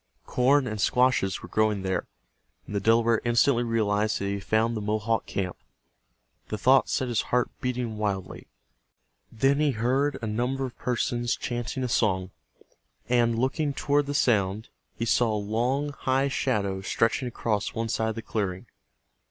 Corn and squashes were growing there, and the Delaware instantly realized that he had found the Mohawk camp. The thought set his heart beating wildly. Then he heard a number of persons chanting a song, and looking toward the sound he saw a long high, shadow stretching across one side of the clearing.